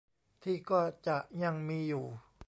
ที่ก็จะยังมีอยู่